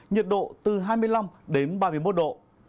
nhiệt độ từ hai mươi năm đến ba mươi một độ